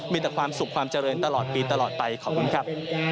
มีแต่ความสุขความเจริญตลอดปีตลอดไปขอบคุณครับ